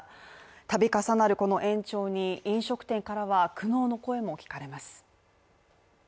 度重なるこの延長に飲食店からは苦悩の声も聞かれます